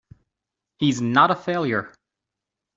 He's not a failure!